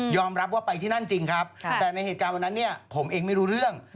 รับว่าไปที่นั่นจริงครับแต่ในเหตุการณ์วันนั้นเนี่ยผมเองไม่รู้เรื่อง